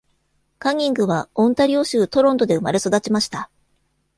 カニングは、オンタリオ州トロントで生まれ育ちました。